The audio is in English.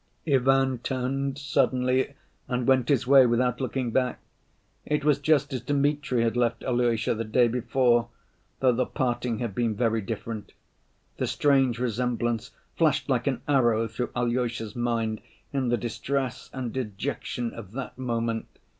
Ivan turned suddenly and went his way without looking back. It was just as Dmitri had left Alyosha the day before, though the parting had been very different. The strange resemblance flashed like an arrow through Alyosha's mind in the distress and dejection of that moment.